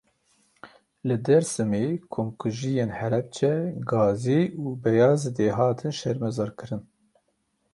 Li Dêrsimê komkujiyên Helebce, Gazî û Beyazidê hatin şermezarkirin.